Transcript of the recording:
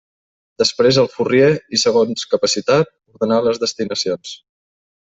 Després el furrier, i segons capacitat, ordenà les destinacions.